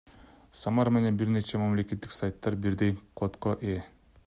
Самара менен бир нече мамлекеттик сайттар бирдей кодго ээ.